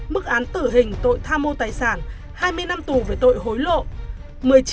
mức án tử hình tội tham mô tài sản hai mươi năm tù về tội hối lộ